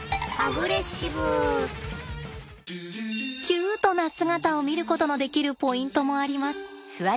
キュートな姿を見ることのできるポイントもあります。